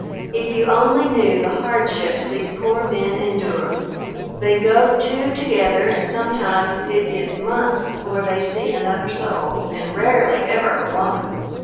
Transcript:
If you only knew the hardships these poor men endure. They go two together and sometimes it is months before they see another soul, and rarely ever a woman.